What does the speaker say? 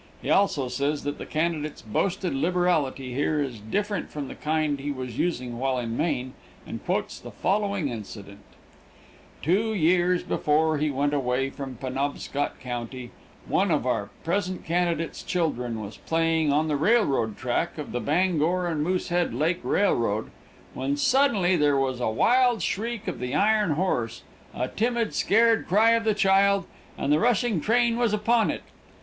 He also says that the candidate's boasted liberality here is different from the kind he was using while in Maine, and quotes the following incident: Two years before he went away from Penobscot county, one of our present candidate's children was playing on the railroad track of the Bangor & Moosehead Lake Railroad, when suddenly there was a wild shriek of the iron horse, a timid, scared cry of the child, and the rushing train was upon it.